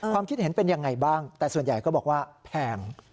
ความคิดเห็นเป็นยังไงบ้างแต่ส่วนใหญ่ก็บอกว่าแพง